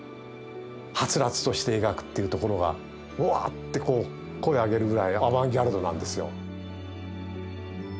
はつらつとして描くっていうところがウワッてこう声を上げるぐらいアバンギャルドなんですよ。